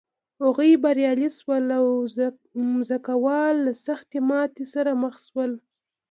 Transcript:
هغوی بریالي شول او ځمکوال له سختې ماتې سره مخ شول.